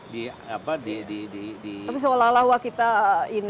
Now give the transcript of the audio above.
tapi seolah olah wah kita ini